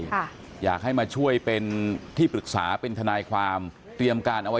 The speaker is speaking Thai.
ค่ะอยากให้มาช่วยเป็นที่ปรึกษาเป็นทนายความเตรียมการเอาไว้